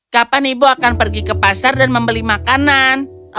kapan ibu akan pergi ke pasar dan membeli makanan